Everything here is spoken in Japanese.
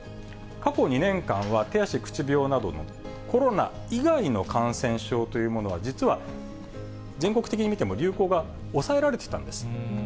過去２年間は、手足口病などの、コロナ以外の感染症というものは、実は全国的に見ても流行が抑えられていたんです。